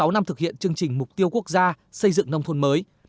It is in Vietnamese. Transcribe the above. sáu năm thực hiện chương trình mục tiêu quốc gia xây dựng nông thôn mới